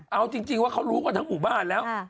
เอาจริงว่าเขารู้กันทั้งหมู่บ้านแล้ว